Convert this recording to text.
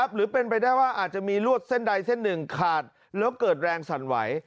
หรือเป็นไปได้ว่าอาจจะมีลวดเส้นใดเส้นหนึ่งขาดแล้วเกิดแรงสั่นไหว